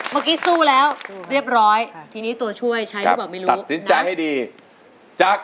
เมื่อกี้สู้แล้วเรียบร้อยที่นี้ตัวช่วยชัยอย่าเป็นเลนี้สัดสินใจให้ดีจาก